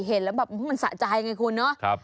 เห็นแล้วแบบมันสะใจไงคุณเนาะ